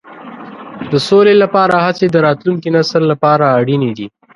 د سولې لپاره هڅې د راتلونکي نسل لپاره اړینې دي.